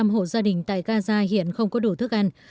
chín mươi bảy hộ gia đình tại gaza hiện không có đủ thức ăn